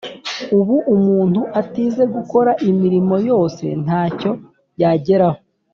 Ubu umuntu atize gukora imirimo yose nta cyo yageraho.